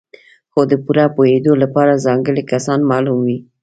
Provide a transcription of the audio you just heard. خو د پوره پوهېدو لپاره ځانګړي کسان معلوم وي.